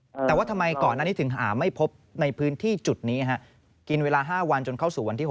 แต่ว่าทำไมก่อนอันนี้ถึงหาไม่พบในพื้นที่จุดนี้ฮะกินเวลา๕วันจนเข้าสู่วันที่๖